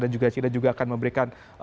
dan juga china juga akan memberikan